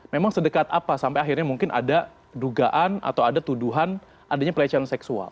memang sedekat apa sampai akhirnya mungkin ada dugaan atau ada tuduhan adanya pelecehan seksual